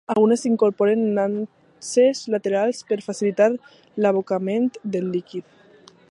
Algunes incorporen nanses laterals per facilitar l'abocament del líquid.